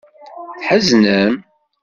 Tḥeznem?